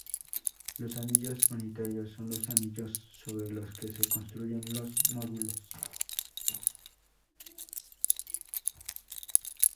Los anillos unitarios son los anillos sobre los que se construyen los módulos.